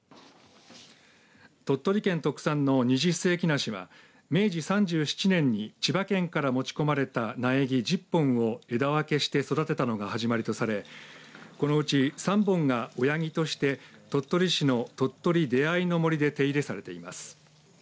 鳥取県特産の二十世紀梨は明治３７年に千葉県から持ち込まれた苗木１０本を枝分けして育てたのが始まりとされこのうち３本が親木として鳥取市のとっとり出合いの森で手入れされています。